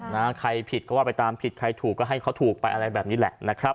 นะใครผิดก็ว่าไปตามผิดใครถูกก็ให้เขาถูกไปอะไรแบบนี้แหละนะครับ